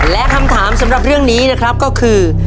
และคำถามสำหรับเรื่องนี้นะครับก็คือ